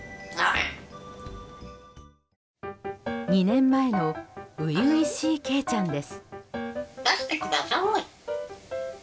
２年前の初々しいケイちゃんです。